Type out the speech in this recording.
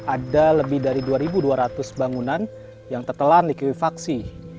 ada lebih dari dua dua ratus bangunan yang tertelan likuifaksi